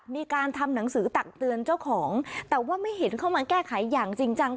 มีการทำหนังสือตักเตือนเจ้าของแต่ว่าไม่เห็นเข้ามาแก้ไขอย่างจริงจัง